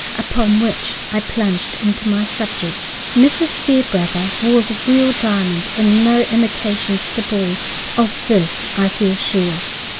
Upon which I plunged into my subject. "Mrs. Fairbrother wore the real diamond, and no imitation, to the ball. Of this I feel sure.